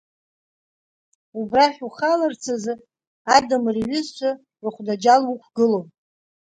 Убрахь ухаларц азы Адамыр иҩызцәа рыхәдаџьал уқәгылон…